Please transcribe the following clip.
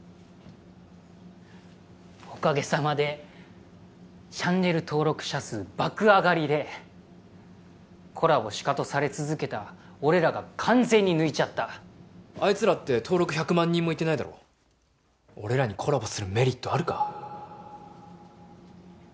おかげさまでチャンネル登録者数爆上がりでコラボシカトされ続けた俺らが完全に抜いちゃったあいつらって登録１００万人もいってな俺らにコラボするメリットあるか？